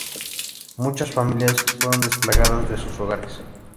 Muchas familias fueron desplazadas de sus hogares.